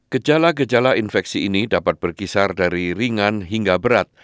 gejala gejala infeksi ini dapat berkisar dari ringan hingga berat